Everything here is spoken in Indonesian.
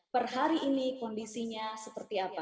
perhari ini kondisinya seperti apa